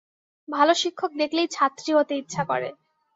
ভাল শিক্ষক দেখলেই ছাত্রী হতে ইচ্ছা করে।